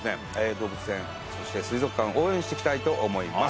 動物園そして水族館応援していきたいと思います